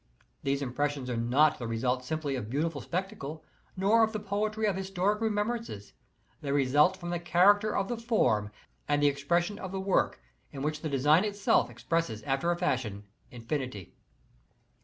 These impressions are not the result simply of a beautiful spectacle, nor of the poetry of historic remem brances. They result from the character of the form and the expression of the work in which the design itself expresses after a fashion infinity.